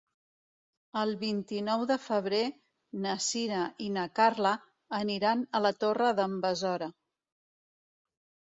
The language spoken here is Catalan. El vint-i-nou de febrer na Sira i na Carla aniran a la Torre d'en Besora.